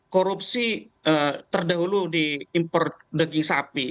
korupsi terdahulu di imperdeging sapi